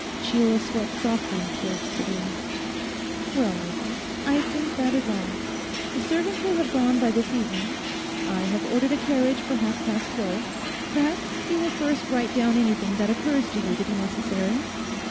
Sheila swept softly towards the door. 'Well, Arthur, I think that is all. The servants will have gone by this evening. I have ordered a carriage for half past twelve. Perhaps you would first write down anything that occurs to you to be necessary?